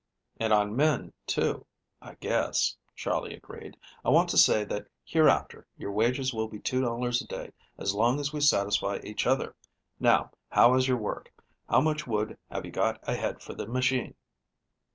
"And on men, too, I guess," Charley agreed. "I want to say that hereafter your wages will be $2.00 per day as long as we satisfy each other. Now, how is your work? How much wood have you got ahead for the machine?"